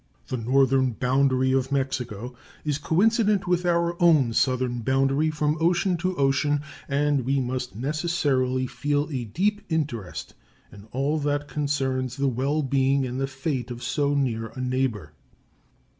The northern boundary of Mexico is coincident with our own southern boundary from ocean to ocean, and we must necessarily feel a deep interest in all that concerns the well being and the fate of so near a neighbor.